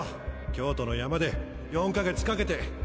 京都の山で４か月かけて。